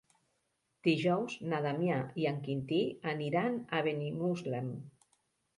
Dijous na Damià i en Quintí aniran a Benimuslem.